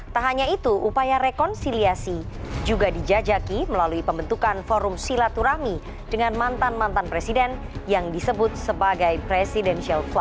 tak hanya itu upaya rekonsiliasi juga dijajaki melalui pembentukan forum silaturahmi dengan mantan mantan presiden yang disebut sebagai presidensial